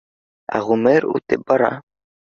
Ә ғүмер үтеп бара